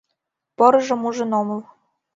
Порыжым ужын омыл